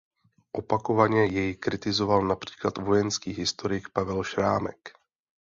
Opakovaně jej kritizoval například vojenský historik Pavel Šrámek.